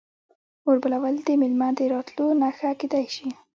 اور بلول د میلمه د راتلو نښه کیدی شي.